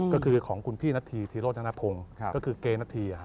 ก็คือของคุณพี่นัทธีธีโรศนาภงก็คือเกณฑ์นัทธี